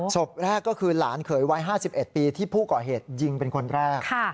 ศพแรกก็คือหลานเขยวัย๕๑ปีที่ผู้ก่อเหตุยิงเป็นคนแรก